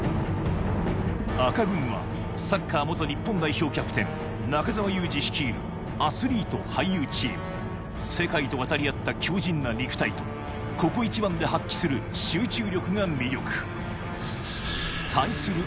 赤軍はサッカー日本代表キャプテン中澤佑二率いるアスリート俳優チーム世界と渡り合った強靱な肉体とここ一番で発揮する集中力が魅力対する